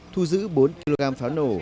thu giữ bốn kg pháo nổ